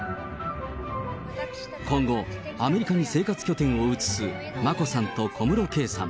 今後、アメリカに生活拠点を移す眞子さんと小室圭さん。